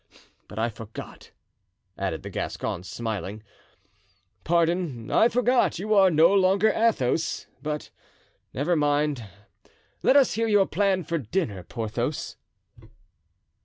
But I forgot," added the Gascon, smiling, "pardon, I forgot you are no longer Athos; but never mind, let us hear your plan for dinner, Porthos."